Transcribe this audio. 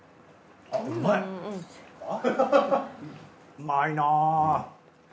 うまいなぁ。